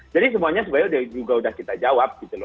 jadi semuanya sebenarnya sudah kita jawab